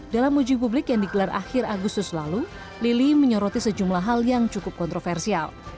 dalam uji publik yang digelar akhir agustus lalu lili menyoroti sejumlah hal yang cukup kontroversial